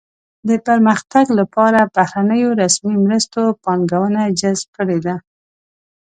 د پرمختګ لپاره بهرنیو رسمي مرستو پانګونه جذب کړې ده.